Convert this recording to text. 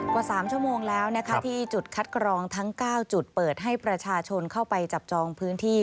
กว่า๓ชั่วโมงแล้วนะคะที่จุดคัดกรองทั้ง๙จุดเปิดให้ประชาชนเข้าไปจับจองพื้นที่